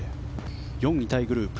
４位タイグループ。